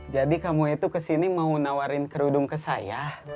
jadi kamu itu kesini mau nawarin kerudung ke saya